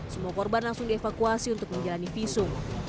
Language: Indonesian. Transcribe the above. semua korban langsung dievakuasi untuk menjalani visum